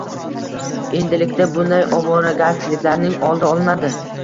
Endilikda bunday ovvoragarchiliklarining oldi olinadi.